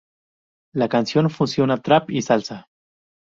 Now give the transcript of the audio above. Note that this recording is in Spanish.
La canción fusiona trap y salsa.